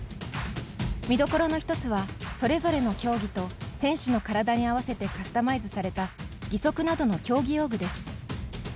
見どころの１つはそれぞれの競技と選手の体に合わせてカスタマイズされた義足などの競技用具です。